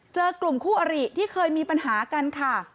เจอกลุ่มคู่อริที่เคยมีปัญหากันค่ะ